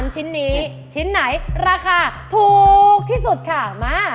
ชิ้นนี้ชิ้นไหนราคาถูกที่สุดค่ะมา